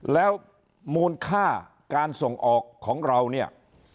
แล้วมูลค่าการส่งออกของเราเนี่ย